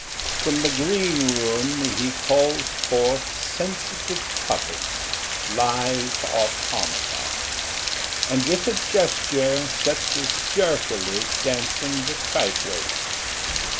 From the Green Room He calls us forth, Sensitive puppets, Live automata, And with a gesture Sets us jerkily Dancing the tightrope.